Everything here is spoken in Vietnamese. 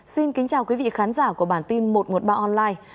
xin kính chào quý vị khán giả của bản tin một trăm một mươi ba online